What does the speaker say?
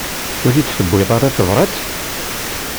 Ur yi-d-tewwiḍ ara tebrat?